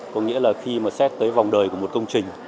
có nghĩa là khi mà xét tới vòng đời của một công trình